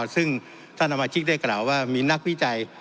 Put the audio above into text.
ซึ่งท่านสมาชิกได้กล่าวว่ามีนักวิจัย